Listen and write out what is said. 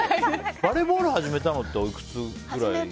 バレーボールを始めたのっておいくつぐらいなんですか。